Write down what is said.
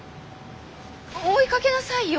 追いかけなさいよ。